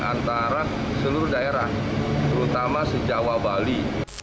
antara seluruh daerah terutama sejauh bali